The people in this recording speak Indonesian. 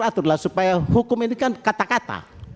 bisa diatur aturlah supaya hukum ini kan kata kata